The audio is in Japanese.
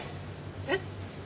えっ？